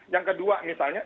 yang kedua misalnya